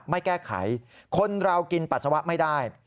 ไม่แก้ไขคนเรากินปัสสาวะไม่ได้